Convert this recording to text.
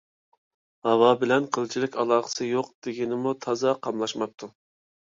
ھاۋا بىلەن قىلچىلىك ئالاقىسى يوق دېگىنىمۇ تازا قاملاشماپتۇ